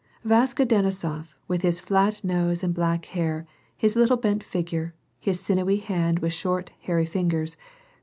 Vaska Denisof, with his flat nose and black hair, his little bent figure, his sinewy hand with short, hairy fingers, gra.